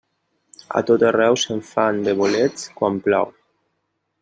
A tot arreu se'n fan, de bolets, quan plou.